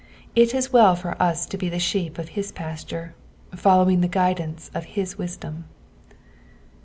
It is well for us to be the sheep of his posture, following the guidance of his wisdom.